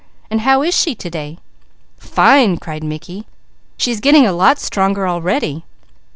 And how is she to day?" "Fine!" cried Mickey. "She is getting a lot stronger already.